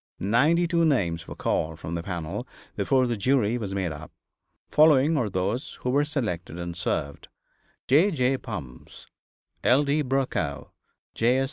Ninety two names were called from the panel before the jury was made up. Following are those who were selected and served: J. J. Bumfs, L. D. Brokow, J.